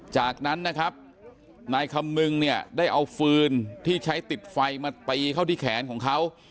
จากนั้นนะครับนายคำนึงเนี่ยได้เอาฟืนที่ใช้ติดไฟมาตีเข้าที่แขนของเขา